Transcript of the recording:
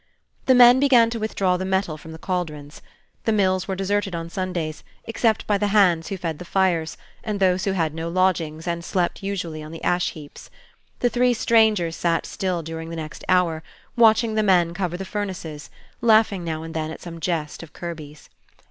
The men began to withdraw the metal from the caldrons. The mills were deserted on Sundays, except by the hands who fed the fires, and those who had no lodgings and slept usually on the ash heaps. The three strangers sat still during the next hour, watching the men cover the furnaces, laughing now and then at some jest of Kirby's.